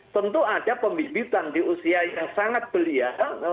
tentu ada pembibitan di usia yang sangat belia